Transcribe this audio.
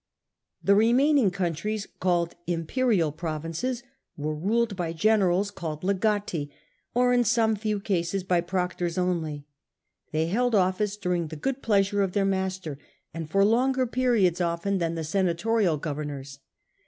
The remaining countries, called imperial provinces, were ruled by generals, called legati, or in some few cases by proctors only. They held office during imperial the good pleasure of their master, and for provinces, longer periods often than the senatorial governors.